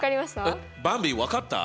えっばんび分かった？